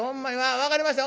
分かりました。